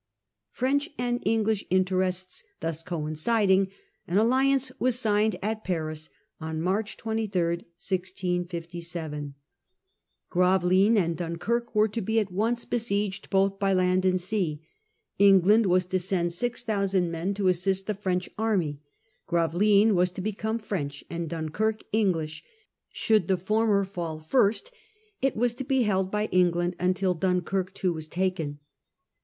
French and English interests thus coinciding, Treaty of an alliance was signed at Paris on March 23, March 23, 1 ^ 57 Gravelines and Dunkirk were to be at 1657 * once besieged both by land and sea. England was to send 6,000 men to assist the French army. Grave lines was to become French and Dunkirk English; should the former fall first it was to be held by England until Dunkirk too was taken.